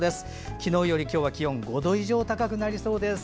昨日より今日は気温５度以上高くなりそうです。